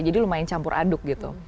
jadi lumayan campur aduk gitu